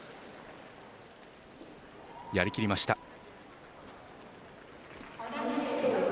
やりきりました。